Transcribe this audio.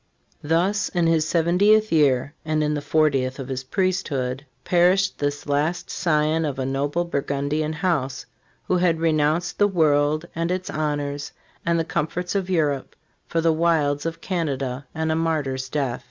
f Thus, in his seventieth year, and in the fortieth of his priesthood, perished this last scion of a noble Burgundian house, who had renounced the world and its honors and the comforts of Europe for the wilds of Canada and a martyr's death.